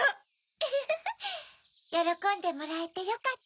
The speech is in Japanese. ウフフフよろこんでもらえてよかった。